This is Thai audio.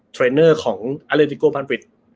เทรนเนอร์ของอาเลติโกพันกฤษ